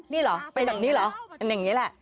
นี่หรอเป็นแบบนี้หรอ